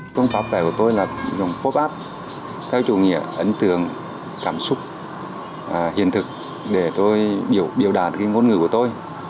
phong cách của tôi là dùng pop art theo chủ nghĩa ấn tượng cảm xúc hiện thực để tôi biểu đảm môn người của tôi